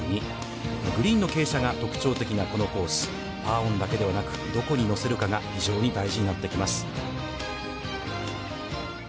グリーンの傾斜が特徴的なこのコース、パーオンだけでなく、どこに乗せるかが非常に大事になってきます。